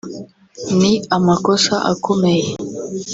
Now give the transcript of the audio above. ni amakosa akomeye